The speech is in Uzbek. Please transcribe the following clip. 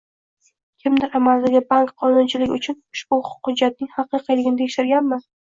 Kimdir amaldagi bank qonunchiligi uchun ushbu hujjatning haqiqiyligini tekshirganmi?